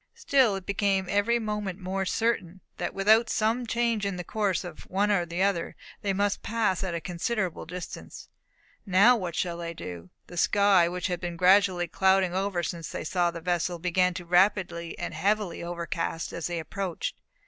Still it became every moment more certain that without some change in the course of one or the other, they must pass at a considerable distance. Now what should they do? The sky, which had been gradually clouding over since they saw the vessel, began to be rapidly and heavily overcast as they approached.